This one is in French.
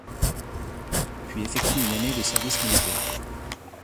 Puis effectue une année de service militaire.